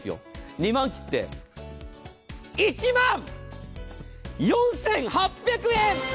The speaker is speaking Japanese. ２万切って、１万４８００円！